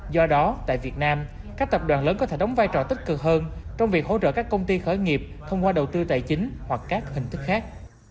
do đó tại việt nam các tập đoàn lớn có thể đóng vai trò tích cực hơn trong việc hỗ trợ các công ty khởi nghiệp thông qua đầu tư tài chính hoặc các hình thức khác